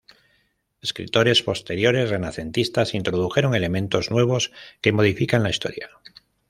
Escritores posteriores renacentistas introdujeron elementos nuevos que modifican la historia.